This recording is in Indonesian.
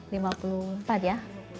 lima puluh empat ya